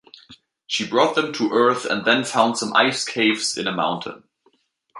She brought them to Earth and then found some ice caves in a mountain.